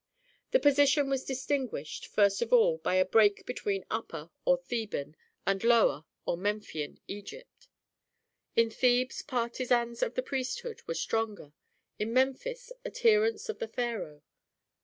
The position was distinguished, first of all, by a break between Upper, or Theban, and Lower, or Memphian Egypt. In Thebes partisans of the priesthood were stronger, in Memphis adherents of the pharaoh.